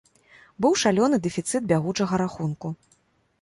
Быў шалёны дэфіцыт бягучага рахунку.